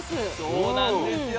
そうなんですよ。